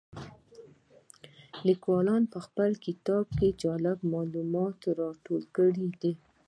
لیکوال په خپل کتاب کې جالب معلومات راکړي دي.